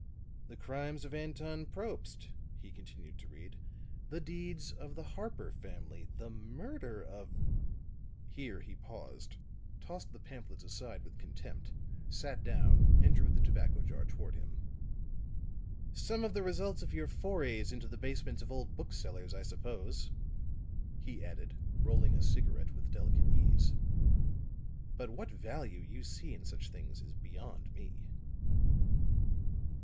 "'The Crimes of Anton Probst,'" he continued to read, "'The Deeds of the Harper Family,' 'The Murder of '" here he paused, tossed the pamphlets aside with contempt, sat down and drew the tobacco jar toward him. "Some of the results of your forays into the basements of old booksellers, I suppose," he added, rolling a cigarette with delicate ease. "But what value you see in such things is beyond me."